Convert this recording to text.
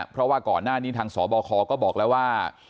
เพราะว่าก่อนหน้านี้ทางสบคก็บอกแล้วว่า